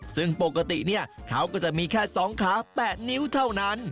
ซึ่งปกติเนี่ยเขาก็จะมีแค่สองขาแปดนิ้วเท่านั้น